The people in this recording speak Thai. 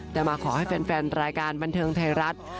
แต่มาขอให้แฟนรายการบันเทิงไทยรัฐ